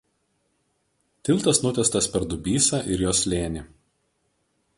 Tiltas nutiestas per Dubysą ir jos slėnį.